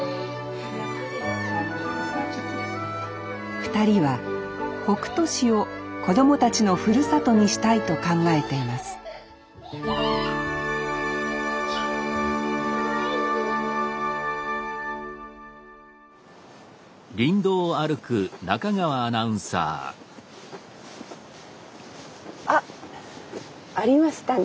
２人は北杜市を子供たちのふるさとにしたいと考えていますあっありましたね。